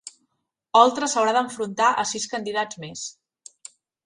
Oltra s'haurà d'enfrontar a sis candidats més